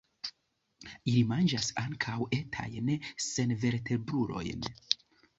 Ili manĝas ankaŭ etajn senvertebrulojn.